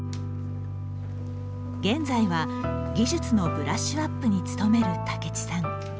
現在は、技術のブラッシュアップに努める武智さん。